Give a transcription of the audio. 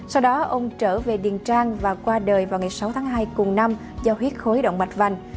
sau đó ông trở về điền trang và qua đời vào ngày sáu tháng hai cùng năm do huyết khối động mạch vành